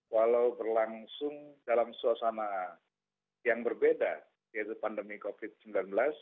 walau berlangsung dalam suasana yang berbeda yaitu pandemi covid sembilan belas